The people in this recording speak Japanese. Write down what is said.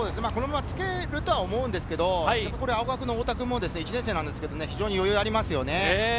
つけるとは思うんですけど、青学の太田君も１年生なんですけど非常に余裕がありますよね。